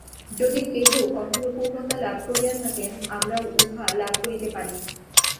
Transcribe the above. যদি কেহ কখনও পূর্ণতা লাভ করিয়া থাকেন, আমরাও উহা লাভ করিতে পারি।